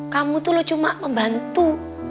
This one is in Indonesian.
kamu tuh lu cuma membantu